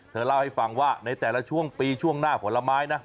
เล่าให้ฟังว่าในแต่ละช่วงปีช่วงหน้าผลไม้นะ